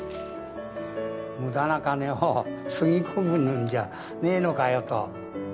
無駄な金をつぎ込むんじゃねえのかよと。